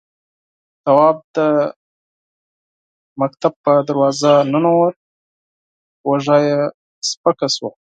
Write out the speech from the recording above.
تواب د مکتب په دروازه ننوت، اوږه يې سپکه شوه.